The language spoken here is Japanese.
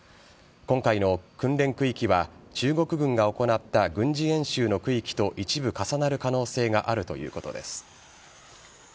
今回の訓練区域は、中国軍が行った軍事演習の区域と一部重なる可能性があるということです。